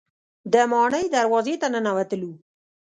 د ماڼۍ دروازې ته ننوتلو.